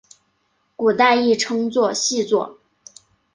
古代亦称作细作。